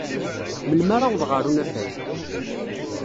Melmi ara awḍeɣ ɣer unafag?